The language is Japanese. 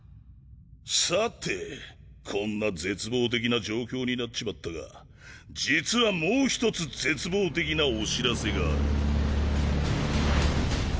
さてこんな絶望的な状況になっちまったが実はもう１つ絶望的なお知らせがある。